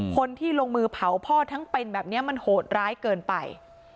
คนที่ลงมือเผาพ่อทั้งเป็นแบบนี้มันโหดร้ายเกินไป